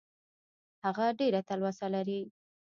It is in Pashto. هغه ډېره تلوسه لري .